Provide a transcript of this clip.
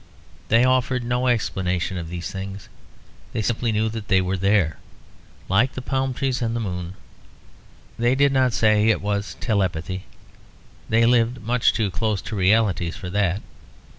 They offered no explanation of these things; they simply knew they were there, like the palm trees and the moon. They did not say it was "telepathy"; they lived much too close to realities for that.